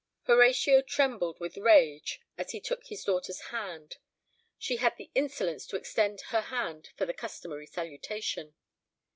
Horatio trembled with rage as he took his daughter's hand. She had the insolence to extend her hand for the customary salutation.